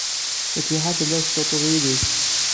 Fatiḥa tella tessuṭṭuḍ yelli-s.